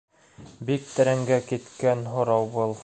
Бик тәрәнгә киткән һорау был.